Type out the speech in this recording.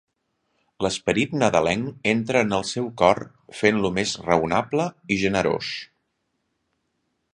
L'esperit nadalenc entra en el seu cor fent-lo més raonable i generós.